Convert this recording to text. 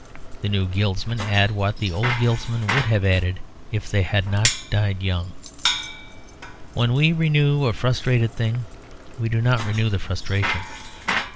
The new guildsmen add what the old guildsmen would have added if they had not died young. When we renew a frustrated thing we do not renew the frustration.